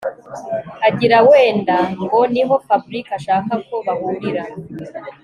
agira wenda ngo niho Fabric ashaka ko bahurira